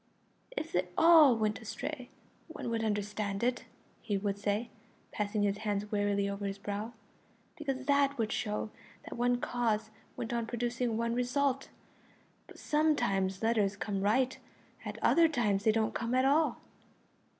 "If they all went astray one could understand it," he would say, passing his hand wearily over his brow, "because that would show that one cause went on producing one result, but sometimes letters come right, at other times they don't come at all."